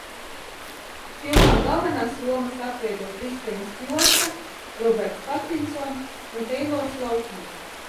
Filmā galvenās lomas atveido Kristena Stjuarta, Roberts Patinsons un Teilors Lautners.